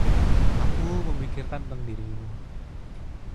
Aku memikirkan tentang dirimu.